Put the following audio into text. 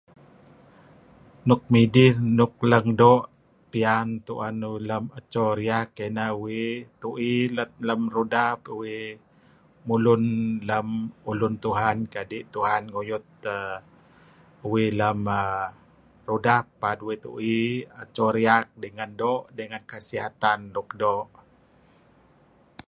Nuk midih nuk leng doo' pian tu'en uih lem eco riak ieh ineh uih tu'i let lem rudap, uih mulun lem ulun Tuhan kadi' Tuhan nguyut err... uih lem aaa... rudap paad uih tu'i eco raak dengan Kesihatan nuk doo'.